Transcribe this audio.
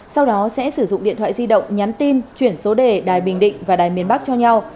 sau đó sẽ sử dụng điện thoại di động nhắn tin chuyển số đề đài bình định và đài miền bắc cho nhau